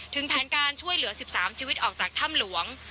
ถึงแผนการช่วยเหลือ๑๓ชีวิตออกจากถ้ำหลวง